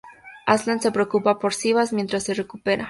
Aslan se preocupa por Sivas mientras se recupera.